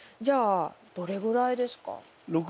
じゃあどれぐらいですか？